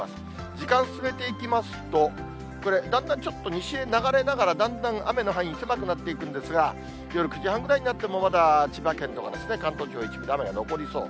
時間進めていきますと、これ、だんだんちょっと西へ流れながら、だんだん雨の範囲、狭くなっていくんですが、夜９時半ぐらいになってもまだ千葉県とか、関東地方一部で雨が残りそう。